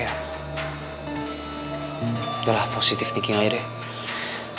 yaudah lah positif thinking aja deh